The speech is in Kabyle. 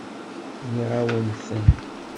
Nɣiɣ-awen-ten.